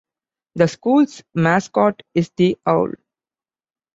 The school's mascot is the Owl.